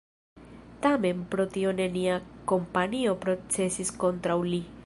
Tamen pro tio nenia kompanio procesis kontraŭ li.